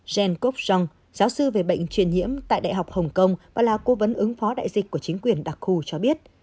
jenkov jong giáo sư về bệnh truyền nhiễm tại đại học hồng kông và là cố vấn ứng phó đại dịch của chính quyền đặc khu cho biết